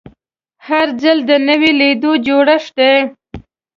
هر څیرل د نوې لید جوړښت دی.